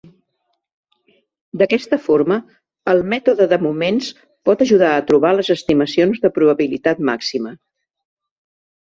D'aquesta forma, el mètode de moments pot ajudar a trobar les estimacions de probabilitat màxima.